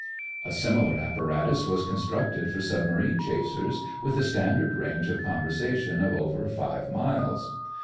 A similar apparatus was constructed for submarine chasers with a standard range of conversation of over five miles.